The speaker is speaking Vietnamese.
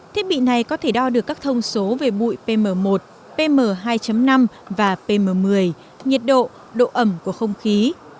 thiết bị này có thể đo được các thông số về bụi pm một pm hai năm và pm một mươi nhiệt độ độ ẩm của không khí